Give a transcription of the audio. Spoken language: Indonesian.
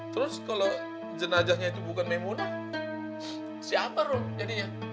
terus kalau jenazahnya itu bukan memuna siapa rom jadinya